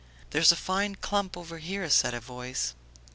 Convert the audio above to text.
"There is a fine clump over here," said a voice.